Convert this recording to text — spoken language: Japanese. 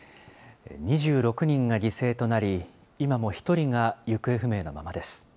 ２６人が犠牲となり、今も１人が行方不明のままです。